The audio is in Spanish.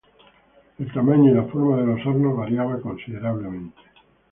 El tamaño y la forma de los hornos variaba considerablemente.